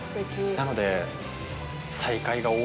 なので。